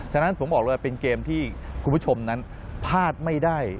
ฉะนั้นผมบอกเลยว่าเป็นเกมที่คุณผู้ชมนั้นพลาดไม่ได้